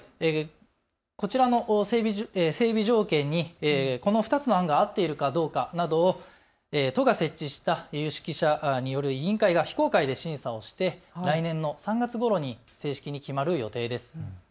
こちらの整備条件にこの２つの案が合っているかどうかなどを都が設置した有識者による委員会が非公開で審査をして来年の３月ごろに正式に決まる予定です。